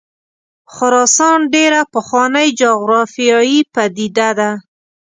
خراسان ډېره پخوانۍ جغرافیایي پدیده ده.